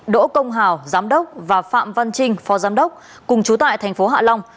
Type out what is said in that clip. đỗ công hào giám đốc và phạm văn trinh phó giám đốc cùng chú tại tp hạ long